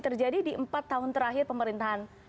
terjadi di empat tahun terakhir pemerintahan